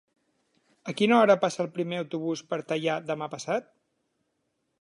A quina hora passa el primer autobús per Teià demà passat?